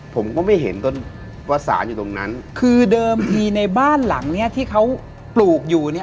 ผมก็ไม่เห็นต้นว่าสารอยู่ตรงนั้นคือเดิมทีในบ้านหลังเนี้ยที่เขาปลูกอยู่เนี้ย